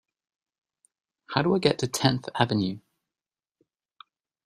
How do I get to Tenth Avenue?